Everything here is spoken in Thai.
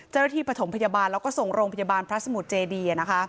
ประถมพยาบาลแล้วก็ส่งโรงพยาบาลพระสมุทรเจดี